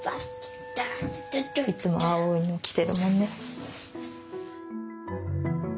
いつも青いの着てるもんね。